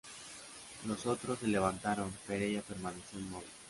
Los otros se levantaron, pero ella permaneció inmóvil.